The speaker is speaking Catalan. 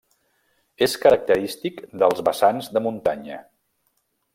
És característic dels vessants de muntanya.